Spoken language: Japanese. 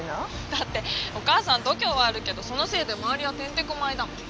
だってお母さん度胸はあるけどそのせいで周りはてんてこ舞いだもん。